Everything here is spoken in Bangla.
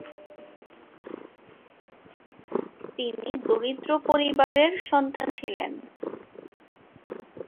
তিনি দরিদ্র পরিবারের সন্তান ছিলেন।